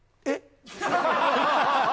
えっ